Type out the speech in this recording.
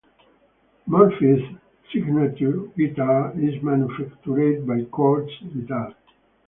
Murphy's signature guitar is manufactured by Cort Guitars.